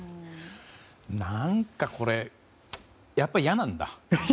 何かこれやっぱり嫌なんだ。